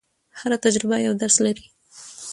هره تجربه یو درس لري.